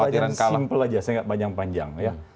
saya sih pertanyaan simple saja saya nggak panjang panjang ya